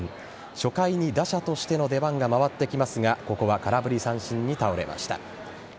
初回に打者としての出番が回ってきますがここは空振り三振に倒れました。